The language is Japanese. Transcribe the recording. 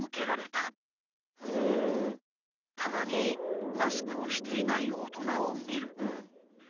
「たまにマスクをしていない大人を見る。